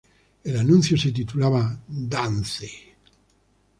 El anuncio se titulaba "Dance".